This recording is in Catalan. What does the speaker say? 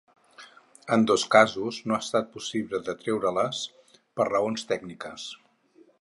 En dos casos no ha estat possible de treure-les per raons tècniques.